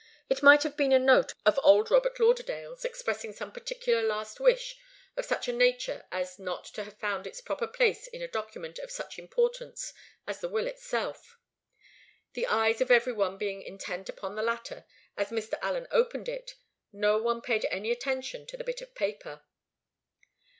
It might have been a note of old Robert Lauderdale's, expressing some particular last wish of such a nature as not to have found its proper place in a document of such importance as the will itself. The eyes of every one being intent upon the latter, as Mr. Allen opened it, no one paid any attention to the bit of paper.